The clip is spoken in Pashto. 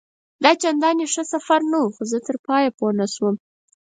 دا چنداني ښه سفر نه وو، خو زه تر پایه پوه نه شوم.